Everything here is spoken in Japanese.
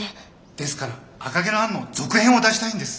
ですから「赤毛のアン」の続編を出したいんです。